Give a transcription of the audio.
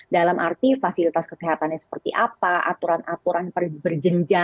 dalam arti fasilitas kesehatannya seperti apa aturan aturan berjenjang